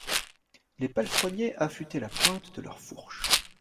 Les palefreniers affûtaient la pointe de leurs fourches.